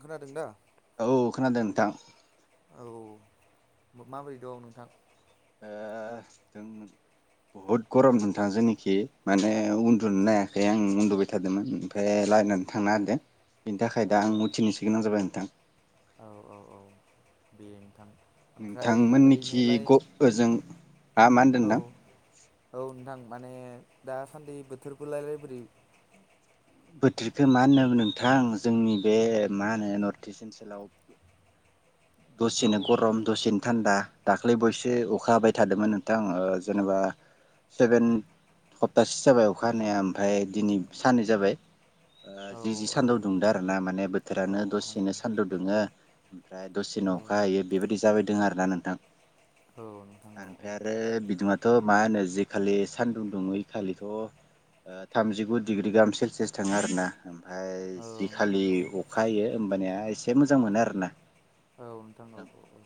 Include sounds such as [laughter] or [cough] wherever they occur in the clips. खोनादों दा औ खोनादों दां औ माबोरै दं नोंथां ओ बहुद गरम मोनथां जोंनोखि माने उन्दुनो हायाखै आं उन्दुबाय थादोंमोन ओमफ्राय लायेनानो थांना होदो बिनि थाखाय औ दा आं उथिनोसो गोनां जाबाय नोंथां औ औ औ बे नोंथां ओमफ्राय नोंथांमोननिखि ओरैनोलाय ग ओजों मा मा होनदों औ नोंथां औ नोंथां माने दासान्दि बोथोरफोरालाय बोरै बोथोरखो मा होनना नोंथां जोंनि बे मा होनो नर्थ इस्ट ओनसोलाव औ दसेनो गरम दसेनो थान्दा दाख्लै बावैयसो अखा हाबाय थादोंमोन नोंथां ओ जेनेबा सेभेन सप्तासे जाबाय अखा हानाया ओमफ्राय दिनै साननै जाबाय ओ औ जि जि औ सानदाव दुंदो आरो ना माने बो औ बोथोरानो नोंथां औ दसेनो सान्दुं दुङो ओमफ्राय दसेनो औ अखा हायो बेबायदि जाबायदोङो आरोना नोंथां औ नोंथां औ आमफ्राय आरो बिदुङा थ' मा होनो जिखालि सानदुं दुङ खालिथ' ओ थामजिगु डिग्रि गाहाम सेलसियास थाङो आरोना ओमफ्राय औ जि नोंथां खालि औ अखा हायो होमबानिया एसे मोजां मोनो आरोना। औ नोंथां औ औ औ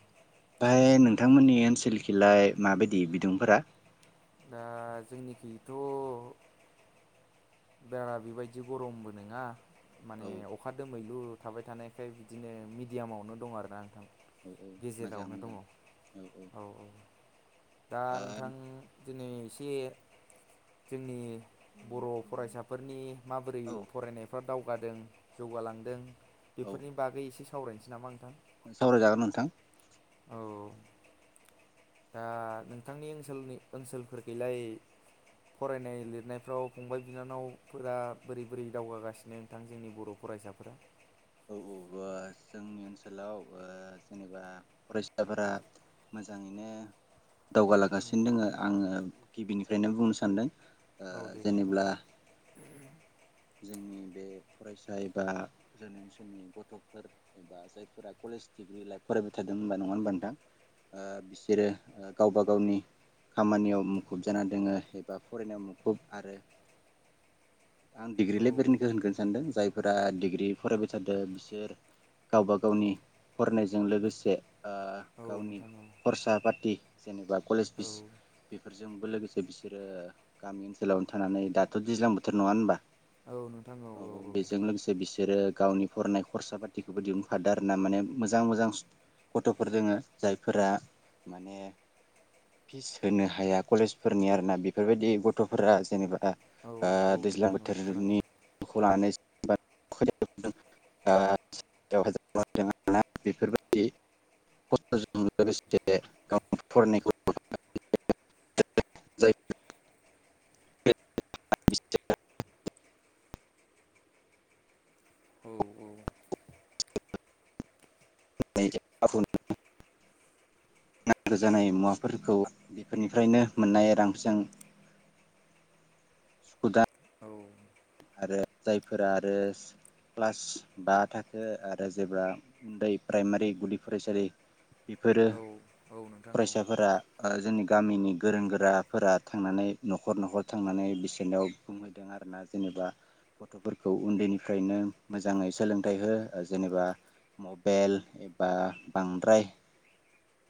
थांमोननि ओनसोलखिलाय माबायदि बिदुंफोरा? दा जोंनिखैथ' बारा बेबायदि गरमबो नङा औ माने अखा दोमैलु थाबाय थानायखाय बिदिनो मिडियामावनो दं आरो ना नोंथां। औ मोजां गेजेरावनो दङ मोजां औ औ दा औ नोंथां दिनै एसे जोंनि बर' फरायसाफोरनि माबोरै औ फरायनायफ्रा दाउ गादों जौगालांदों बेफोरनि बागै एसे सा वरायसै नामा नोंथां! सावरायजागोन नोंथां। औ दा नोंथांनि ओनसोलनि ओनसोलफोरखैलाय फरायनाय लिरनायफ्राव फंबाय बिनानावफोरा बोरै बोरै दावगागासिनो नोंथां जोंनि बर' फरायसाफोरा? औ औ ओ जोंनि ओनसोलाव ओ जेनेबा फरायसाफोरा मोजाङैनो दावगालांगासिनो दङ। आङो गिबिनिफ्रायनो बुंनो सानदों। ओ औ दे नोंथां जेनेब्ला [inaudible] जोंनि बे फरायसा एबा जोंनि ओनसोलनि गथ'फोर एबा जायफोरा कलेज डिग्रि लाइफ फरायबाय थादों होनबा नङा होनबा नोंथां ओ बिसोरो गावबा गावनि खामानियाव मुखुब जाना दोङो एबा फरायनायाव मुखुब आरो आं डिग्रि औ लेभेरनिखौ होनगोनो सानदों जायफोरा डिग्रि फरायबाय थादों बिसोर गावबा गावनि फरायनायजों लोगोसे ओ औ गावनि नोंथां औ खरसा पाथि जेनेबा कलेज फिस बेफोरजोंबो लोगोसे बिसोरो गामि ओनसोलावनो थानानै दाथ' दैज्लां बोथोर नङा होनबा औ नोंथां औ बेजों लोगोसे बिसोरो गावनि फरायनाय खरसा पाथिखौबो दिहुनफादो आर ना माने मोजां मोजां गथ'फोर दोङो जायफोरा माने फिस होनो हाया कलेजफोरनि आरोना बेफोरबायदि गथ'फोरा जेनेबा ओ औ औ दैज्लां नोंथां औ खोनादों इयुन खौ लानानै बा [inaudible] बेफोरबायदि खस्थ'जों लोगोसे गाव फरायनायखौ [unintelligible] जाय [unintelligible] औ औ [unintelligible] नांगौ जानाय मुवाफोरखौ बेफोरनिफ्रायनो मोननाय रांजों सुखुदा औ आरो जायफोरा आरो क्लास बा थाखो आरो जेब्ला उन्दै प्राइमारि गुदि फरायसालि बेफोरो औ औ नोंथां औ फरायसाफोरा ओ जोंनि गामिनि गोरों गोराफोरा थांनानै न'खर न'खर थांनानै बिसोरनायाव बुंहैदों आरो ना जेनेबा गथ'फोरखौ उन्दैनिफ्रायनो मोजाङै सोलोंथाइ हो। जेनेबा मबेल एबा बांद्राय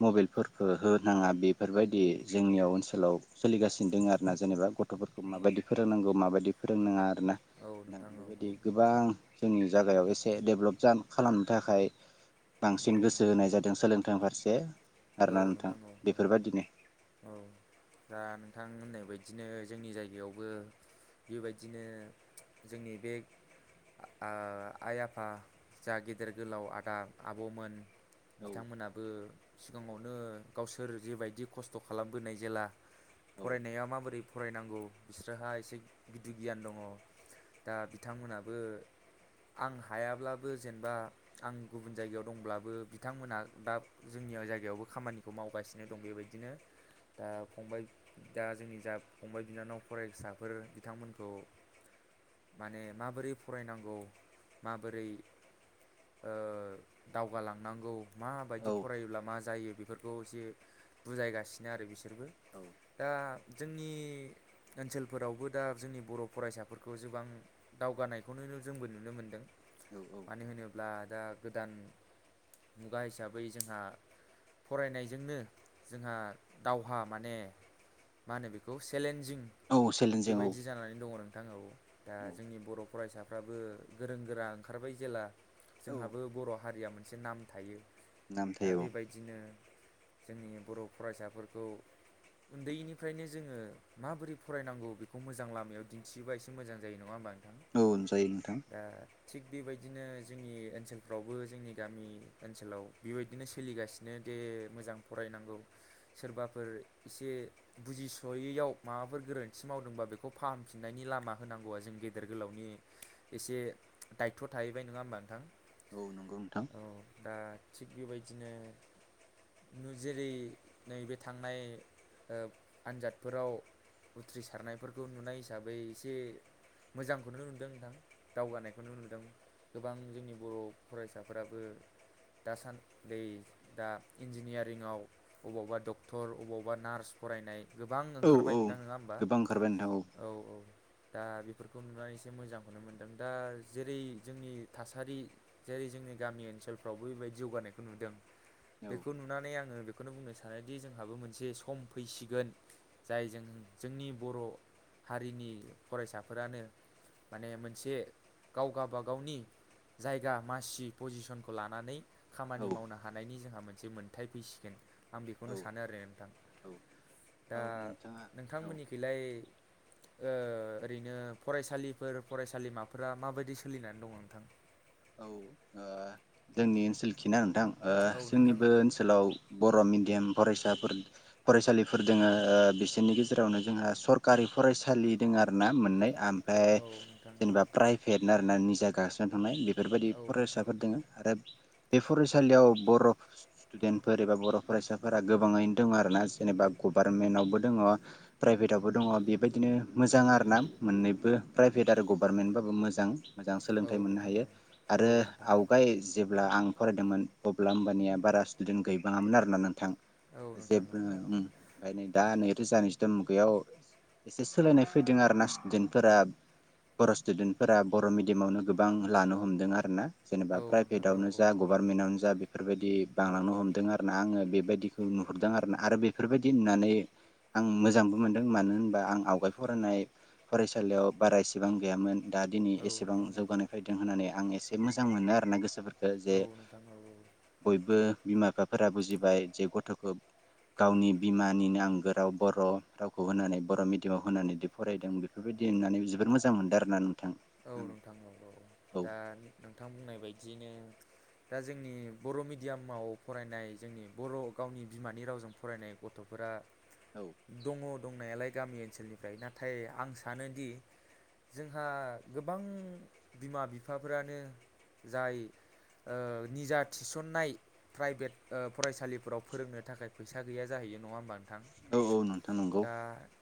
मबेलफोरखौ होनाङा बेफोरबायदि जोंनियाव ओनसोलाव सोलिगासिनो दङ आरो ना जेनेबा गथ'फोरखौ औ माबायदि फोरोंनांगौ माबायदि फोरोंनाङा आरोना औ ना नोंथां औ बेबायदि गोबां जोंनि जायगायाव एसे डेभलप खालामनो थाखाय बांसिन गोसो औ होनाय जादों सोलोंथाइ फारसे। ए औ नोंथां औ औ दा नोंथां नोंथां होननाय बायदिनो जोंनि जायगायावबो बेबायदिनो जोंनि बे आ आइ आफा जा गेदेर गोलाव आदा आब'मोन औ बिथांमोनाबो सिगाङावनो गावसोर जेबायदि खस्थ' खालामबोनाय जेला औ फरायनाया माबोरै फरायनांगौ बिसोरहा एसे गिदिर गियान दङ दा बिथांमोनाबो आं हायाब्लाबो जेनेबा आं गुबुन जायगायाव दंब्लाबो बिथांमोनहा दा जोंनि जायगायावबो खामानिखौ मावगासिनो दं बेबायदिनो दा फंबाय दा जोंनि जा फंबाय बिनानाव फरायसाफोर बिथांमोनखौ माने माबोरै फरायनांगौ माबोरै दावगालांनांगौ मा औ फायोब्ला मा जायो जायो बेफोरखौ एसे बुजायगासिनो आरो बिसोरबो औ दा जोंनि ओनसोलफोरावबो दा जोंनि बर' फरायसाफोरखौ जोबां दावगानायखौ जोंबो नुनो मोनदों औ औ ब्ला दा गोदान मुगा हिसाबै बै जोंहा फरायनायजोंनो जोंहा दावहा माने मा होनो बेखौे सेलेन्ज जिं औ चेलेन्जिं औ बेबायदि जानानै दङ नोंथां ओव दा औ जोंनि बर' फरायसा फाबो गोरों गोरा ओंखारबाय जेला औ जोंहाबो बर' हारिया मोन। मोनसे नाम थायो दा नामथाय औ बेबायदिनो जोंनि बर' फरायसाफोरखौ उन्दैनिफ्रायनो जोङो माबोरै फरायनांगौ बेखौ मोजां लामायाव दिन्थियोबा एसे मोजां जायो नङा होम्बा औ जायो नोंथां थिग बेबायदिनो जोंनि ओनसोलफ्रावबो जोंनि गामि ओनसोलाव बेबायदिनो सोलिगासिनो दे मोजां फरायनांगौ सोरबाफोर एसे बुजिस'यैयाव माबाफोर गोरोन्थि मावदोंबा बेखौ फाहामफिननायनि लामा होनांगौआ जों गेदेर गोलावनि एसे दायथ' थाहैबाय नङा होमबा नोंथां औ नंगौ नोंथां औ दा थिग बेबायदिनो नु जेरै नैबे थांनाय ओ आनजादफोराव उथ्रिसारनायफोरखौ नुनाय हिसाबै एसे मोजांखौनो नुदों नोंथां दावगानायखौनो नुदों गोबां जोंनि बर' फरायसाफोराबो दासान्दै दा इन्जिनियारिङाव अबावबा डक्टर अबावबा नार्स फरायनाय गोबां औ ओंखारबाय औ नोंथां नङा होम्बा गोबां ओंखारबाय नोंथां औ औ दा बेफोरखौ नुबा एसे मोजांखौनो मोननोमोन दा जेरै जोंनि थासारि जेरै जोंनि गामि ओनसोलफ्राव बैबायदि जौगानायखौ नुदों औ बेखौ नुनानै आङो बे खौनो बुंनो सानोदि जोंहाबो मोनसे सम फैसिगोन जाय जों जोंनि बर' हारिनि फरायसाफोरानो माने मोनसे गाव गाबागावनि जायगा मासि पजिसनखौ ला नानै खामानि औ मावनो हानायनि जोंहा मोनसे मोनथाय फैसिगोन आं बेखौनो औ सानो आरो नोंथां औ दा औ नोंथाङा औ नोंथांमोननिखैलाय ओ ओरैनो फरायसालिफोर फरायसालिमाफोरा माबायदि सोलिनानै दङ नोंथां औ ओ जोंनि ओनसोलखिना नोंथां ओ औ जोंनि नोंथां बे औ ओनसोलाव बर' मिन्द दियाम फरायसाफोर फरायसालिफोर दोङो ओ बिसोरनि गेजेरावनो जोंहा सरकारि फरायसालि दोङो आरो ना मोननै आमफाय औ नोंथां औ जेनेबा प्राइपेटनो आर ना नि जा गास्रानो थांनाय बेफोरबायदि औ नोंथां फरायसाफोर दङो आरो बे फरायसालियाव बर' डेनफोर एबा बर' फरायसाफोरा गोबाङैनो दङ आरो ना जेनेबा गभार्नमेन्टावबो दङ प्राइभेटावबो दङ बेबायदिनो मोजां आरो ना मोननैबो प्राइभेट आरो गभार्नमेन्टबाबो मोजां मोजां औ सोलोंथाइ मोननो नोंथां हायो औ आरो औ नोंथां औ आवगाय जे जेब्ला आं फरायदोंमोन अब्ला होमबानिया बारा स्टुडेन्ट गैबाङामोन आरोना नोंथां औ नोंथां औ जेबो ओमफाय नै दा नै थ्रिसान स्थन गैया अ एसे सोलायनाय फैदों आरो ना स्टुदेन्टफोरा बर' स्टुदेन्टफोरा बर' मिडियामावनो गोबां लानो ह हमदों आरो ना औ जेनेबा नोंथां औ प्राइभेटावनो औ जा गभारनमेन्टावनो जा बेफोरबायदि औ बांलांनो हमदों आरो ना आङो बे बादिखौ नुहुरदों आरोना आरो बेफोरबायदि होननानै आं मोजांबो मोन्दों मानो होनबा आं आवगाय फरायनाय फरायसालियाव बारा इसेबां गैयामोन दा दिनै औ एसेबां नोंथां औ जौगानाय फैदों होननानै आं एसे मोजां मोनो आरोना गोसोफोर ओ जे औ नोंथां औ बयबो बिमा बिफा फोरा बुजिबाय जे गथ'खौ गावनि बिमानिनो आंगो राव बर' रावखौ होनानै बर' मिडियामाव होनानै दि फरायदों बेफोरबायदि होननानै जोबोर मोजां मोनदों आरो ना औ नोंथां औ औ दा नोंथां बुंनाय बायदियैनो दा जोंनि बर' मिडियामाव फरायनाय जोंनि बर' गावनि बिमानि रावजों फरायनाय गथ'फोरा औ दङ दंनायालाय गामि ओनसोलनिफ्राय नाथाय आं सानोदि जोंहा गोबां बिमा बिफाफोरानो जाय निजा थिसननाय प्राइभेट फरायसालिफोराव फोरोंनो थाखाय फैसा गैया जाहैयो नङा होमबानो औ औ नोंथां नंगौ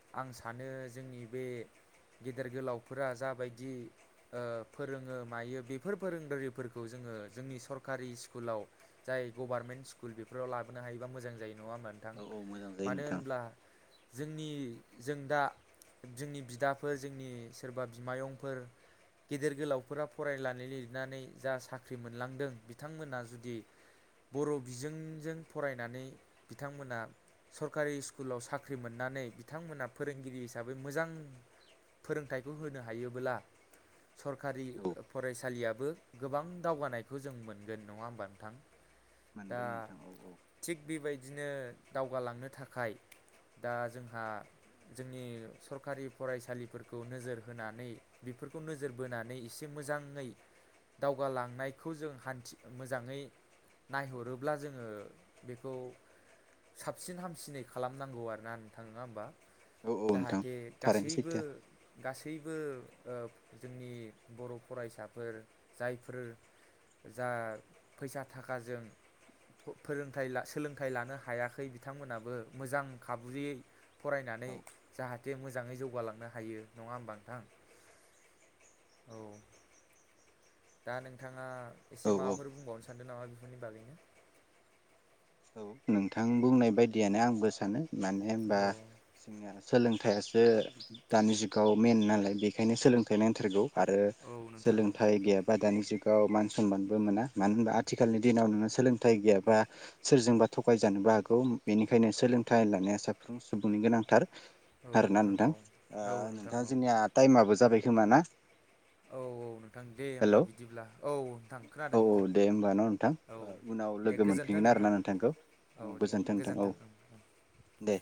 आं सानो जोंनि बे गेदेर गोलावफोरा जाबाय दि ओ फोरोङो मायो बेफोर फोरोंगिरिफोरखौ जोङो जोंनि सरकारि स्कुलाव जाय गभारमेन्ट स्कुल बेफोराव लाबोनो हायोबा मोजां जायो नङा होनबा औ औ मोजां जायो नोंथां जोंनि जों दा जोंनि बिदाफोर जोंनि सोरबा बिमायं फोर गेदेर गोलावफोरा फरायनानै लिरनानै जा साख्रि मोनलांदों बिथांमोना जुदि बर' बिजोंजों फरायनानै बिथांमोना सरकारि स्कुलाव साख्रि मोननानै बिथांमोना फोरोंगिरि हिसाबै मोजां फोरोंथाइखौ होनो हायो अबला सरखारि औ फरायसालियाबो गोबां दावगानायखौ जों मोनगोन नङा होमबा नोंथां दा मोनगोन नोंथां औ औ थिग बेबायदिनो दावगालांनो थाखाय दा जोंहा जोंनि सरखारि फरायसालिफोरखौ नोजोर होनानै बेफोरखौ नोजोर बोनानै एसे मोजाङै दावगालांनायखौ जों हान्थि मोजाङै नायहरोब्ला जोङो बेखौ साबसिन हामसिनै खालामनांगौ आरोना नोंथां नङा होनबा औ औ नोंथां जाहाथे थारैनो गासैबो सैथो गासैबो ओ जोंनि बर' फरायसाफोर जायफोर जा फैसा थाखाजों फोरोंथाइ सोलोंथाइ लानो हायाखै बिथांमोनाबो मोजां खाबुयै औ फरायनानै जाहाथे मोजाङै जौगालांनो हायो नङा होमबा नोंथां। औ। दा नोंथाङा औ एसे माबाफोर बुंबावनोस सान्दों नामा बिसनि बागै? औ नोंथां बुंनाय बायदियानो आंबो सानो। मानो होनबा औ जोंनिया सोलों थायासो दानि जुगाव मेन नालाय बेखायनो सोलोंथाइ नांथारगौ। आरो औ नोंथां औ सोलोंथाइ गैयाबा दानि जुगाव गाव मान सनमानबो मोना मानो होनबा आथिखालनि दिनाव नोङो सोलोंथाइ गैयाबा सोरजोंबा थगायजानोबो हागौ बेनिखायनो सोलोंथाइ लानाया साफ्रोम सुबुंनि गोनांथार। औ आरोना नोंथां औ ओ औ नोंथां औ जोंनिया टाइमाबो जाबाय। खोमाना। औ औ नोंथां दे होमबा बिदिब्ला औ नोंथां खोनादों औ नोंथां औ दे होमबा न' नोंथां औ उनाव दे लोगो गोजोन्थों मोनफिनगोन नोंथां। आरोना नोंथांखौ औ दे नोंथां औ गोजोन्थों ओं। दे